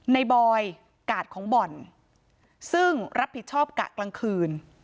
บอยกาดของบ่อนซึ่งรับผิดชอบกะกลางคืน